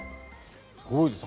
すごいですね。